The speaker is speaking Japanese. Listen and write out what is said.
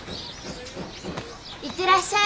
行ってらっしゃい。